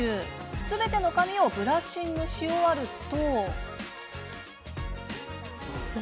すべての髪をブラッシングし終わると。